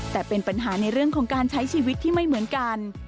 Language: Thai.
แต่เป็นปัญหาในเรื่องของการใช้ชีวิตที่ไม่เหมือนกัน